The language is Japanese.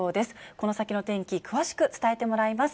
この先の天気、詳しく伝えてもらいます。